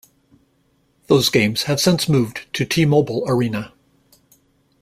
Those games have since moved to T-Mobile Arena.